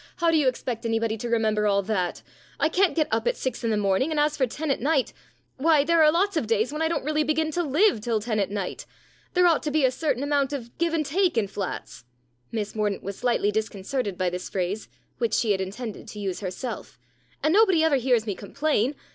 How do you expect anybody to remember all that ? I can't get up at six in the morning, and as for ten at night why, there are lots of days when I don't really begin to live till ten at night. There ought to be a certain amount of give and take in flats" Miss Mordaunt was slightly disconcerted by this phrase, which she had intended to use herself "and nobody ever hears me complain.